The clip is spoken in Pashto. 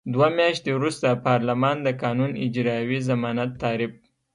دوه میاشتې وروسته پارلمان د قانون اجرايوي ضمانت تعریف.